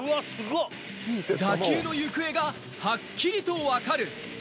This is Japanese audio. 打球の行方がはっきりとわかる。